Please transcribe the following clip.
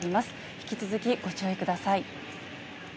引き続きご注意ください。